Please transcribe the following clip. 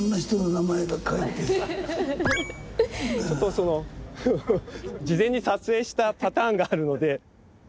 ちょっとその事前に撮影したパターンがあるので。